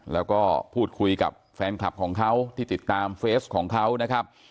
แล้วก็พูดคุยกับแฟนคลับของเขาที่ติดตามเฟสของเขานะครับ